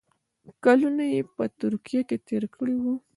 کلونه یې په ترکیه کې تېر کړي وو.